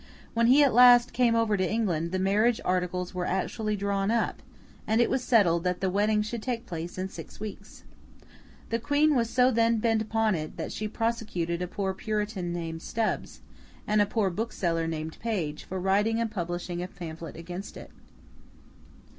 When he at last came over to England, the marriage articles were actually drawn up, and it was settled that the wedding should take place in six weeks. The Queen was then so bent upon it, that she prosecuted a poor Puritan named Stubbs, and a poor bookseller named Page, for writing and publishing a pamphlet against it.